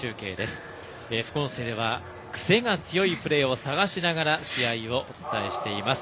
副音声ではクセが強いプレーを探しながら試合をお伝えしています。